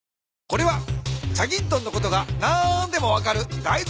これは『チャギントン』のことが何でも分かるだい